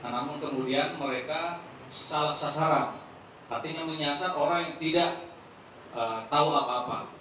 namun kemudian mereka salah sasaran artinya menyasar orang yang tidak tahu apa apa